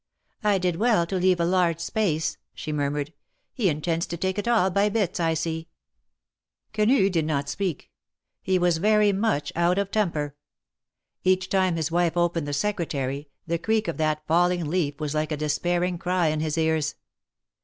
^'1 did well to leave a large space," she murmured, ^^He intends to take it all by bits, I see." Quenu did not speak ; he was very much out of temper. Each time his wife opened the Secretary, the creak of that falling leaf was like a despairing cry in his ears.